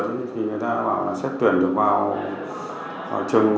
thì người ta sẽ có mối quan hệ rộng